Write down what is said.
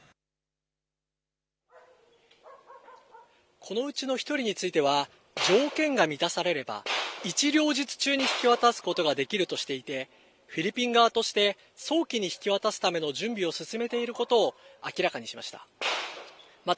このうちの１人については、条件が満たされれば、一両日中に引き渡すことができるとしていて、フィリピン側として、早期に引き渡すための準備を進めていることを明らかにしました。